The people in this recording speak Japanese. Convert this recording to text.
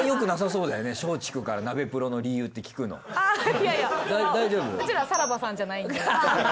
うちらさらばさんじゃないんで。